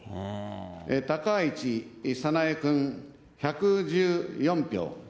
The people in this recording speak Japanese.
高市早苗君１１４票。